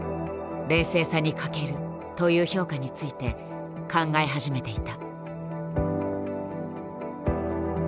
「冷静さに欠ける」という評価について考え始めていた。